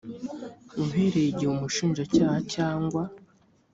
uhereye igihe umushinjacyaha cyangwa